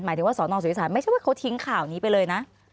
ถึงว่าสอนองสุธิศาลไม่ใช่ว่าเขาทิ้งข่าวนี้ไปเลยนะ